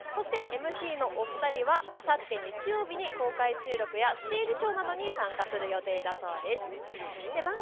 ＭＣのお二人はあさって日曜日に公開収録やステージショーなどに参加する予定だそうです。